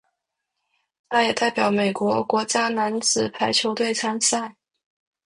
他也代表美国国家男子排球队参赛。